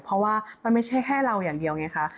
เพราะว่ามันไม่ใช่แค่เราอย่างเดียวไงคะ